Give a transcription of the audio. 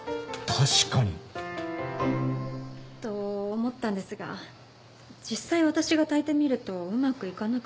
確かに。と思ったんですが実際私が炊いてみるとうまくいかなくて。